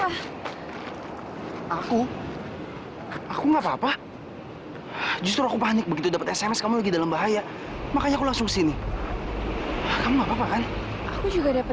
sampai jumpa di video selanjutnya